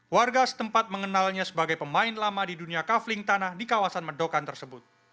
warga setempat mengenalnya sebagai pemain lama di dunia kaveling tanah di kawasan medokan tersebut